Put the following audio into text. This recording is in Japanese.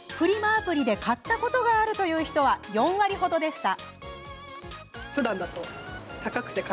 アプリで買ったことがあるという人は４割程でした。